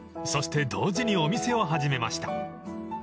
［そして同時にお店を始めました］